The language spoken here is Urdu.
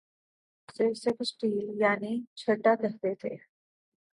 اور اسے سیکستیلیس یعنی چھٹا کہتے تھے